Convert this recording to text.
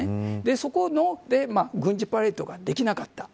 そこで軍事パレードができなかった。